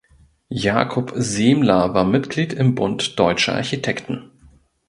Jakob Semler war Mitglied im Bund Deutscher Architekten.